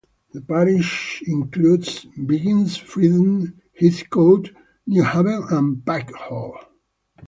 The parish includes Biggin, Friden, Heathcote, Newhaven and Pikehall.